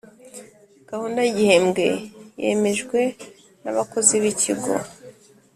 gahunda y igihembwe yemejwe nabakozi bikigo